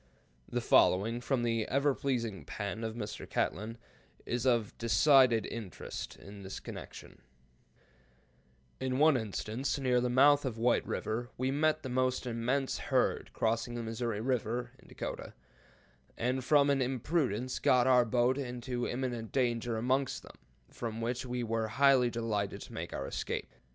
] The following, from the ever pleasing pen of Mr. Catlin, is of decided interest in this connection: "In one instance, near the mouth of White River, we met the most immense herd crossing the Missouri River [in Dakota], and from an imprudence got our boat into imminent danger amongst them, from which we were highly delighted to make our escape.